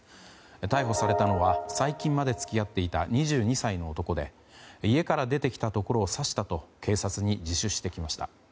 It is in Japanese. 逮捕されたのは、最近まで付き合っていた２２歳の男で家から出てきたところを刺したと警察に自首してきました。